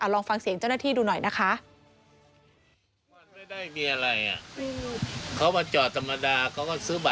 ลองฟังเสียงเจ้าหน้าที่ดูหน่อยนะคะ